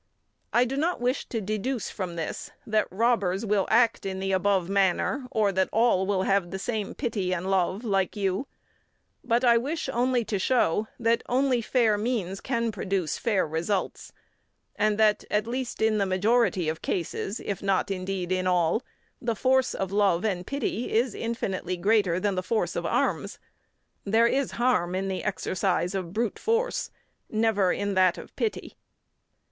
I do not wish to deduce from this that robbers will act in the above manner or that all will have the same pity and love like you; but I wish only to show that only fair means can produce fair results, and that, at least in the majority of cases, if not, indeed, in all, the force of love and pity is infinitely greater than the force of arms. There is harm in the exercise of brute force, never in that of pity.